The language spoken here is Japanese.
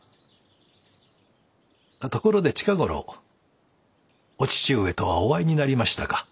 ところで近頃お父上とはお会いになりましたか？